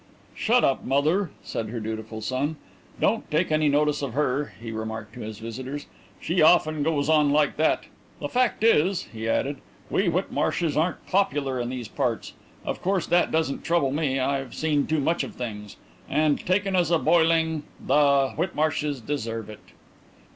"Shut up, mother," said her dutiful son. "Don't take any notice of her," he remarked to his visitors, "she often goes on like that. The fact is," he added, "we Whitmarshes aren't popular in these parts. Of course that doesn't trouble me; I've seen too much of things. And, taken as a boiling, the Whitmarshes deserve it."